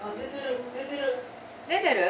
出てる？